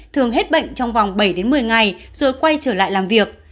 thường hết bệnh trong vòng bảy đến một mươi ngày rồi quay trở lại làm việc